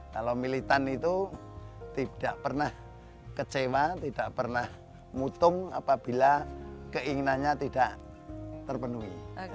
kalau militan itu tidak pernah kecewa tidak pernah mutung apabila keinginannya tidak terpenuhi